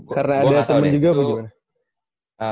karena ada temen juga apa gimana